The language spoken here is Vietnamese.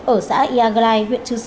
ở xã diaglai